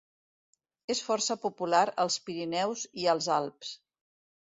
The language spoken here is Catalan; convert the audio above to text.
És força popular als Pirineus i als Alps.